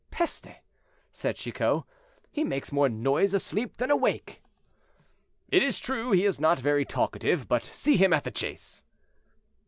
"Peste!" said Chicot, "he makes more noise asleep than awake." "It is true he is not very talkative; but see him at the chase."